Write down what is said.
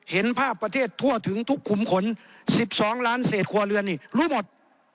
เห็นภาพประเทศทั่วถึงทุกขุมขน๑๒ล้านเศษครัวเรือนนี่รู้หมด